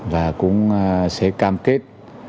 và cũng sẽ cam kết